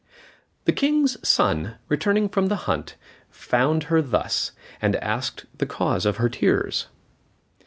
The King's son, returning from the hunt, found her thus, and asked the cause of her tears.